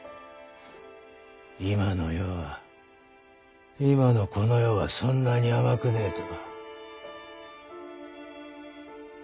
今の世は今のこの世はそんなに甘くねえと。